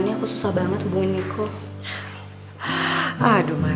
syah salam buat miko ya